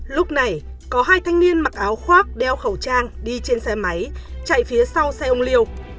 lúc này có hai thanh niên mặc áo khoác đeo khẩu trang đi trên xe máy chạy phía sau xe ông liều